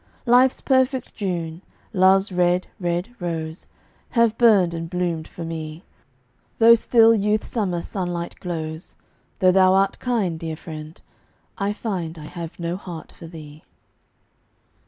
Life's perfect June, love's red, red rose, Have burned and bloomed for me. Though still youth's summer sunlight glows; Though thou art kind, dear friend, I find I have no heart for thee.